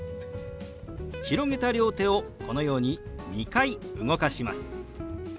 広げた両手をこのように２回動かします。